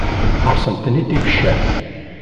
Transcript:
Ḥaṛṣen-tent-id ibeccan.